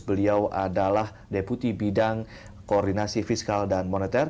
beliau adalah deputi bidang koordinasi fiskal dan moneter